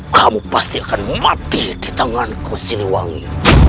kamu pasti akan mati di tanganku siliwangi